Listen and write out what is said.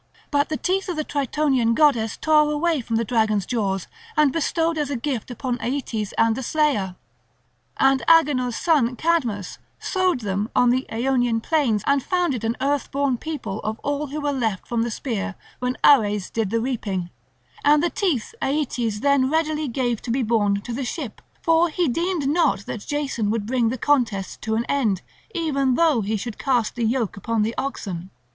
But the teeth the Tritonian goddess tore away from the dragon's jaws and bestowed as a gift upon Aeetes and the slayer. And Agenor's son, Cadmus, sowed them on the Aonian plains and founded an earthborn people of all who were left from the spear when Ares did the reaping; and the teeth Aeetes then readily gave to be borne to the ship, for he deemed not that Jason would bring the contest to an end, even though he should cast the yoke upon the oxen.